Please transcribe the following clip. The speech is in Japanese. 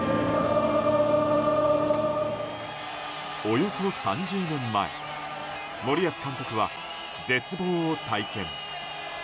およそ３０年前森保監督は絶望を体験。